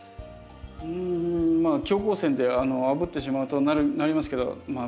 うんまあ強光線であぶってしまうとなりますけどまあ